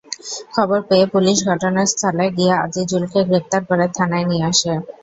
খবর পেয়ে পুলিশ ঘটনাস্থলে গিয়ে আজিজুলকে গ্রেপ্তার করে থানায় নিয়ে আসে।